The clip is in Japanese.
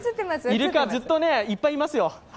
イルカね、ずっといっぱいいますよ